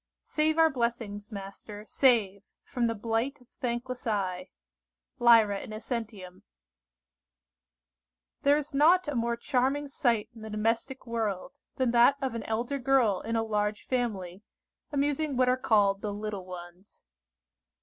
"Save our blessings, Master, save, From the blight of thankless eye." Lyra Innocentium. THERE is not a more charming sight in the domestic world, than that of an elder girl in a large family, amusing what are called the little ones.